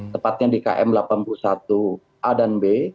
tepatnya di km delapan puluh satu a dan b